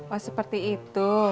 oh seperti itu